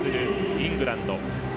イングランド。